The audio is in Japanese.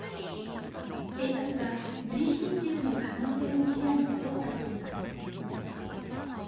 警察は無理心中の可能性も視野に捜査しています。